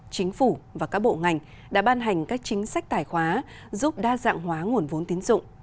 chính phủ và các bộ ngành đã ban hành các chính sách tài khoá giúp đa dạng hóa nguồn vốn tín dụng